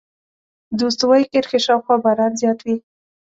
د استوایي کرښې شاوخوا باران زیات وي.